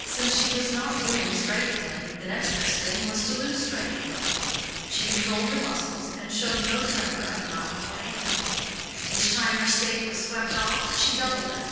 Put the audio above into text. Since she was not winning strikingly, the next best thing was to lose strikingly. She controlled her muscles, and showed no tremor of mouth or hands. Each time her stake was swept off she doubled it.